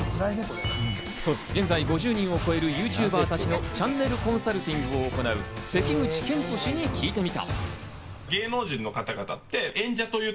現在５０人を超えるＹｏｕＴｕｂｅｒたちのチャンネルコンサルティングを行う関口ケント氏に聞いてみた。